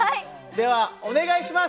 ではお願いします。